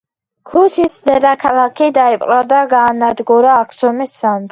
ქუშის დედაქალაქი დაიპყრო და გაანადგურა აქსუმის სამეფომ.